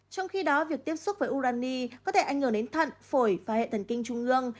trong khi đó việc tiếp xúc với urani có thể ảnh hưởng đến thận phổi và hệ thần kinh trung ương